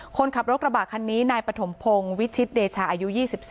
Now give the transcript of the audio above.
คนขับรถกระบะคันนี้นายปฐมพงศ์วิชิตเดชาอายุ๒๔